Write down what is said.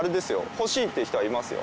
欲しいという人はいますよ。